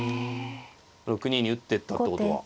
６二に打ってったってことは。